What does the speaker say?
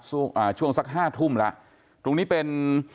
ช่วงอ่าช่วงสักห้าทุ่มแล้วตรงนี้เป็น